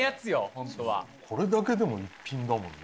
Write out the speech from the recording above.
本当はこれだけでも一品だもんね